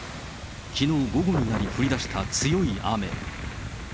きのう午後になり降りだした強い雨。